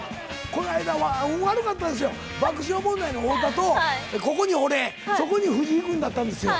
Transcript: こないだは運悪かったんですよ、爆笑問題の太田と、ここに俺、そこに藤井君だったんですよ。